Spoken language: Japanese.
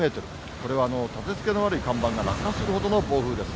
これはたてつけの悪い看板が落下するほどの暴風です。